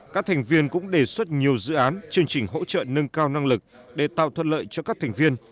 các thành viên cũng đề xuất nhiều dự án chương trình hỗ trợ nâng cao năng lực để tạo thuận lợi cho các thành viên